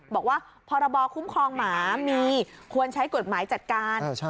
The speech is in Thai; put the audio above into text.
บอกว่าพรบคุ้มครองหมามีควรใช้กฎหมายจัดการ